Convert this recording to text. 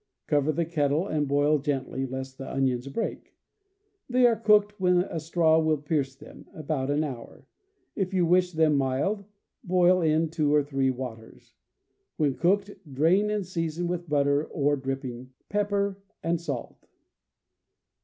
Cover the kettle and boil gently, lest the onions break. They are cooked when a straw will pierce them (about an hour) . If you wish them mild, boil in two or three waters. "When cooked, drain and season with butter or dripping, pepper, and salt.